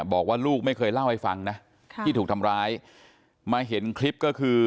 บอกว่าลูกไม่เคยเล่าให้ฟังนะค่ะที่ถูกทำร้ายมาเห็นคลิปก็คือ